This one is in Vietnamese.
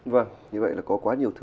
vâng như vậy là có quá nhiều thứ